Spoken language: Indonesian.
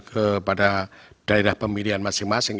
kepada daerah pemilihan masing masing